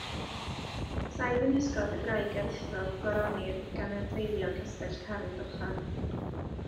Saif yng nghysgod y graig aruthrol goronir gan adfeilion castell Carn Dochan.